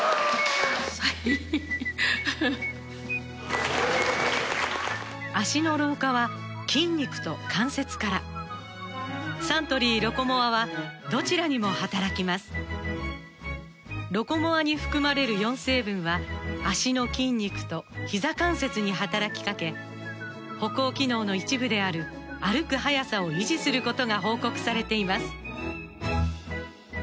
はい・脚の老化は筋肉と関節からサントリー「ロコモア」はどちらにも働きます「ロコモア」に含まれる４成分は脚の筋肉とひざ関節に働きかけ歩行機能の一部である歩く速さを維持することが報告されています